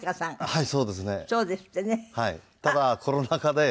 はい。